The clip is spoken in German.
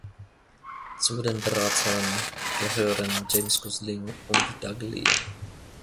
Zu den Beratern gehören James Gosling und Doug Lea.